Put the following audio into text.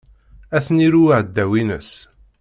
Ad ten-iru uɛdaw-ines.